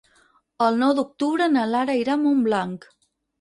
El nou d'octubre na Lara irà a Montblanc.